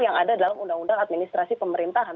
yang ada dalam undang undang administrasi pemerintahan